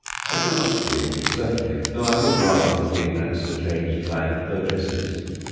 A delightful evening, certainly, though I would rather have been at Sir James Bland Burgess's.